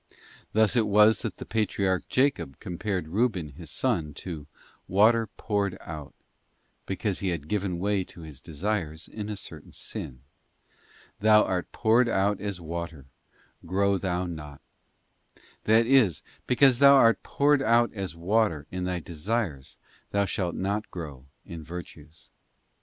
Thus it was that the patriarch Jacob compared Ruben his son to 'water poured out,' because he had given way to his desires in a certain sin: ' Thou art poured out as water, grow thou not;'* that is, because thou art poured out as water in thy desires thou shalt not grow in virtues.